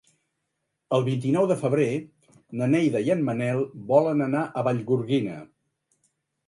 El vint-i-nou de febrer na Neida i en Manel volen anar a Vallgorguina.